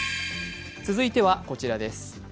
続いてはこちらです。